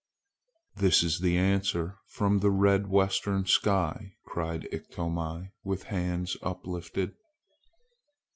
"This is the answer from the red western sky!" cried Iktomi with hands uplifted.